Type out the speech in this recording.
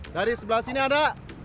dari sebelah sini ada